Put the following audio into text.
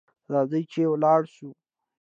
راځه چي ولاړ سو .